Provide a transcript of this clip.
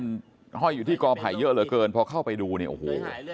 มันห้อยอยู่ที่กอไผ่เยอะเหลือเกินพอเข้าไปดูเนี่ยโอ้โห